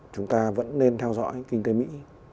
chúng ta vẫn nên theo dõi kinh tế mỹ